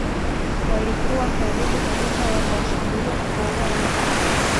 Walikuwa karibu kabisa wakawashambulia na kuwaua wote